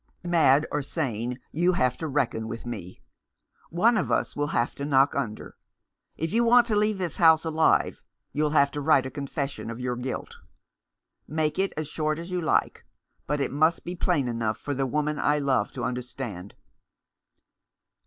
"Mad or sane, you have to reckon with me. One of us will have to knock under. If you want to leave this house alive you'll have to write a confession of your guilt. Make it as short as you like ; but it must be plain enough for the woman I love to understand."